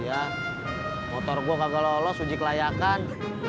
iya motor gua kagak lolos uji kelayakan